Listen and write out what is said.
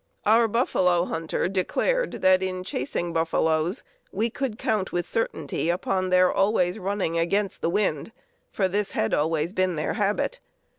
Our buffalo hunter declared that in chasing buffaloes we could count with certainty upon their always running against the wind, for this had always been their habit.